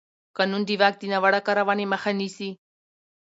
قانون د واک د ناوړه کارونې مخه نیسي.